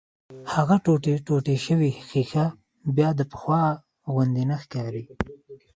هغه ټوټې شوې ښيښه بيا د پخوا غوندې نه ښکاري.